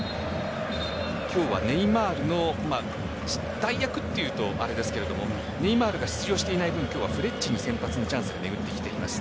今日はネイマールの代役というとあれですけどネイマールが出場していない分今日はフレッジに先発のチャンスがめぐってきています。